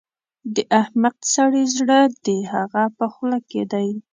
د احمق سړي زړه د هغه په خوله کې دی.